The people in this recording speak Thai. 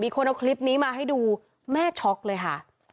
คนเอาคลิปนี้มาให้ดูแม่ช็อกเลยค่ะ